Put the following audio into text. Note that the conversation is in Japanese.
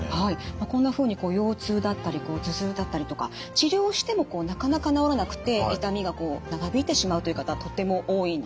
まあこんなふうに腰痛だったり頭痛だったりとか治療してもなかなか治らなくて痛みがこう長引いてしまうという方とても多いんです。